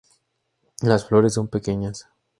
Las flores son pequeñas.